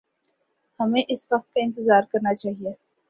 ہمیں اس وقت کا انتظار کرنا چاہیے۔